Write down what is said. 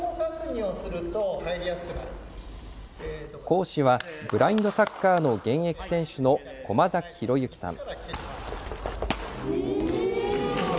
講師はブラインドサッカーの現役選手の駒崎広幸さん。